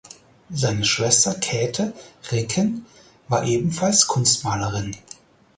Seine Schwester Käthe Ricken war ebenfalls Kunstmalerin.